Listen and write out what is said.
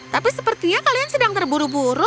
tapi sepertinya kalian sedang terburu buru